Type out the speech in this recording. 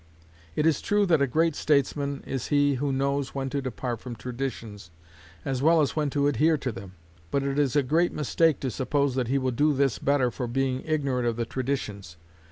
It is true that a great statesman is he who knows when to depart from traditions, as well as when to adhere to them; but it is a great mistake to suppose that he will do this better for being ignorant of the traditions.